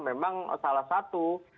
memang salah satu